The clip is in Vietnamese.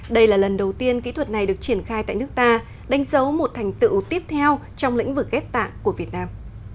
đây là lần đầu tiên kỹ thuật này được triển khai tại nước ta đánh dấu một thành tựu tiếp theo trong lĩnh vực ghép tạng của việt nam